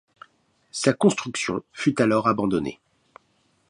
Sa construction fut alors abandonnée.